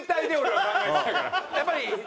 やっぱり。